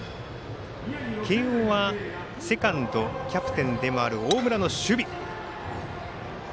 慶応はセカンドキャプテンでもある大村の守備。